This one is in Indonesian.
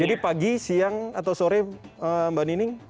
jadi pagi siang atau sore mbak nining